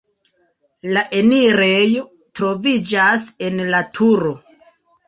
La enirejo troviĝas en la turo.